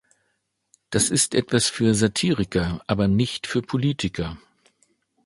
Das ist etwas für Satiriker, aber nicht für Politiker.